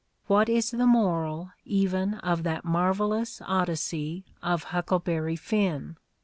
What is the moral even of that marvelous Odyssey of "Huckleberry Finn"?